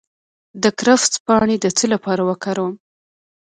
د کرفس پاڼې د څه لپاره وکاروم؟